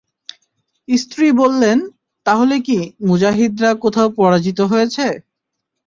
স্ত্রী বললেন, তাহলে কি মুজাহিদরা কোথাও পরাজিত হয়েছে?